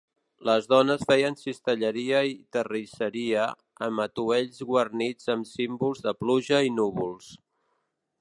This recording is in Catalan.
Les dones feien cistelleria i terrisseria, amb atuells guarnits amb símbols de pluja i núvols.